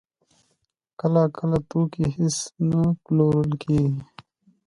کله کله توکي هېڅ نه پلورل کېږي